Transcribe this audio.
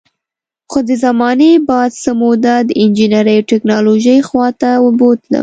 خو د زمانې باد څه موده د انجینرۍ او ټیکنالوژۍ خوا ته بوتلم